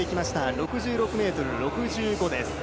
６６ｍ６５です。